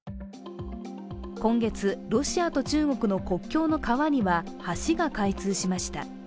今月、ロシアと中国の国境の川には橋が開通しました。